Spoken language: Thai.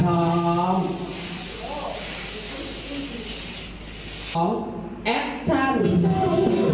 สุดท้ายก็ไม่มีเวลาที่จะรักกับที่อยู่ในภูมิหน้า